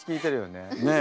ねえ。